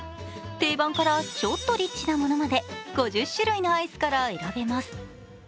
定番からちょっとリッチなものまで、５０種類のアイスから選べます。